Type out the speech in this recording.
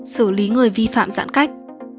xử lý người vi phạm giãn cách